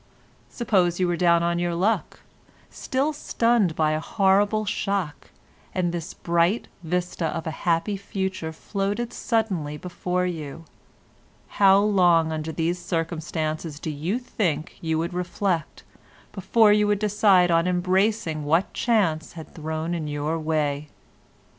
Suppose you were down on your luck, still stunned by a horrible shock, and this bright vista of a happy future floated suddenly before you, how long under these circumstances do you think you would reflect before you would decide on embracing what chance had thrown in your way?